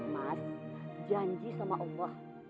mas janji sama allah